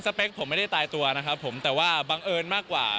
เปคผมไม่ได้ตายตัวนะครับผมแต่ว่าบังเอิญมากกว่า